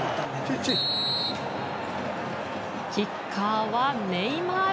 キッカーは、ネイマール。